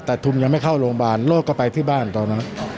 แต่ทุมยังไม่เข้าโรงพยาบาลโรคก็ไปที่บ้านตอนนั้น